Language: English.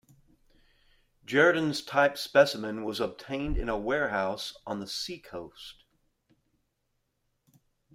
Jerdon's type specimen was obtained in a warehouse on the seacoast.